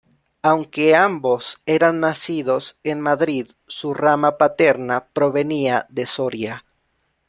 Aunque ambos eran nacidos en Madrid, su rama paterna provenía de Soria.